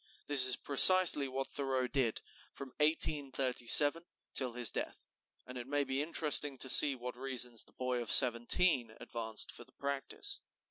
This is precisely what Thoreau did from 1837 till his death; and it may be interesting to see what reasons the boy of seventeen advanced for the practice.